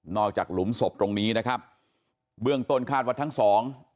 หลุมศพตรงนี้นะครับเบื้องต้นคาดว่าทั้งสอง